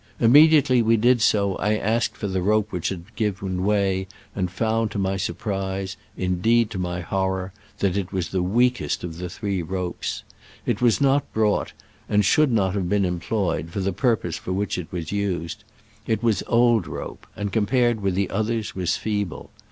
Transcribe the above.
Immediately we did so, I asked for the rope which had given way, and found, to my surprise — indeed, to my horror — ^that it was the weakest of the three ropes. It was not brought, and should not have been employed, for the purpose for which it was used. It was old rope, and, compared with the others, was feeble.